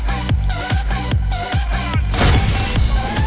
โอเค